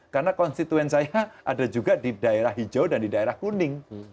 karena konstituen saya ada juga di daerah hijau dan di daerah kuning